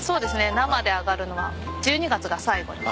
生で揚がるのは１２月が最後。